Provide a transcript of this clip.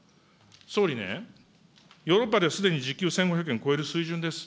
総理ね、ヨーロッパですでに時給１５００円超える水準です。